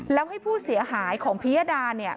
แล้วให้ผู้เสียหายของพิยดาเนี่ย